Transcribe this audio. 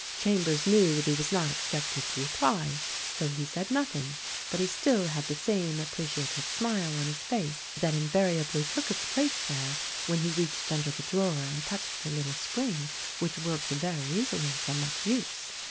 6 Chambers knew that he was not expected to reply, so he said nothing; but he still had the same appreciative smile on his face that invariably took its place there when he reached under the drawer and touched a little spring which worked very easily from much use.